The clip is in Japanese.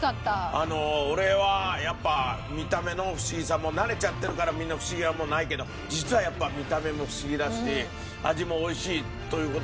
俺はやっぱ見た目のフシギさも慣れちゃってるからみんなフシギはもうないけど実はやっぱ見た目もフシギだし味も美味しいという事で。